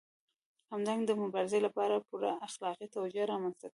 همدارنګه د مبارزې لپاره پوره اخلاقي توجیه رامنځته کوي.